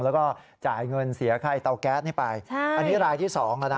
แล้วก็จ่ายเงินเสียค่าเตาแก๊สนี่ไปใช่อันนี้รายที่สองแล้วนะ